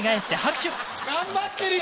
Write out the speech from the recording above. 頑張ってるよ！